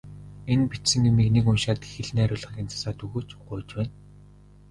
Энэ бичсэн юмыг нэг уншаад хэл найруулгыг нь засаад өгөөч, гуйж байна.